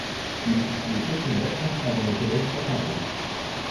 Il est situé quelques mètres avant le collège Claparède.